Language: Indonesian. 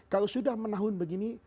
kalau sudah menahun begini